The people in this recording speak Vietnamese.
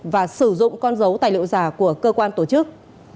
và sử dụng con dấu tài liệu giả của cơ quan tổ chức